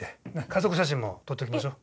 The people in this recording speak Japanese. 家族写真も撮っときましょ。